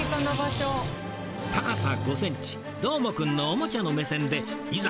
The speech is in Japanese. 高さ５センチどーもくんのおもちゃの目線でいざ